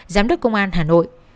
giám đốc công an hà nội